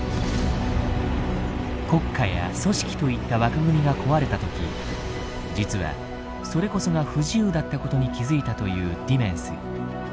国家や組織といった枠組みが壊れた時実はそれこそが不自由だったことに気付いたというディメンス。